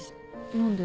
何で？